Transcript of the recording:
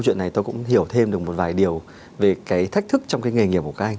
chuyện này tôi cũng hiểu thêm được một vài điều về cái thách thức trong cái nghề nghiệp của các anh